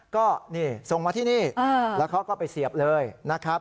ก็นี่ส่งมาที่นี่แล้วเขาก็ไปเสียบเลยนะครับ